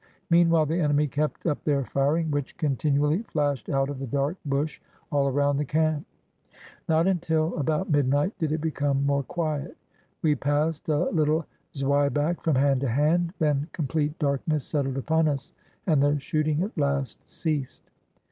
Meanwhile the enemy kept up their firing, which contin ually flashed out of the dark bush all around the camp. Not until about midnight did it become more quiet. We passed a little zwieback from hand to hand. Then com 482 ADVANCING UPON THE ENEMY plete darkness settled upon us and the shooting at last ceased.